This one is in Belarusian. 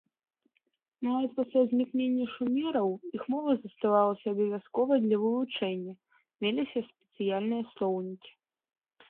Нават пасля знікнення шумераў іх мова заставалася абавязковай для вывучэння, меліся спецыяльныя слоўнікі.